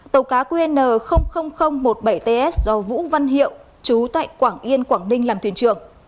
tàu cá qn chín mươi nghìn một trăm hai mươi một ts do vũ văn hiệu chú tại quảng yên quảng ninh làm thuyền trưởng